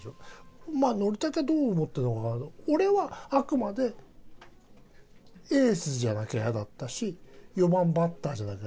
まあ憲武はどう思ってるのかわからないけど俺はあくまでエースじゃなきゃイヤだったし４番バッターじゃなきゃ。